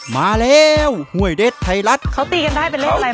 มาแล้วห่วยเดชไทยรัฐเขาตีกันได้เป็นเลขอะไรบ้างอ่ะ